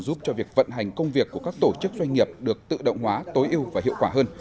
giúp cho việc vận hành công việc của các tổ chức doanh nghiệp được tự động hóa tối ưu và hiệu quả hơn